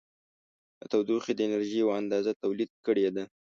د تودوخې د انرژي یوه اندازه تولید کړې ده.